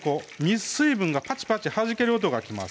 水分がパチパチはじける音がきます